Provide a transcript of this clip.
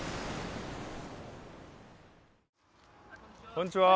こんにちは。